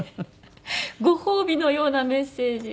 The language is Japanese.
ご褒美のようなメッセージ。